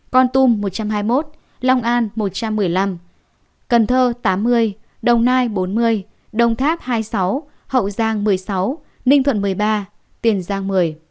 con tum một trăm hai mươi một long an một trăm một mươi năm cần thơ tám mươi đồng nai bốn mươi đồng tháp hai mươi sáu hậu giang một mươi sáu ninh thuận một mươi ba tiền giang một mươi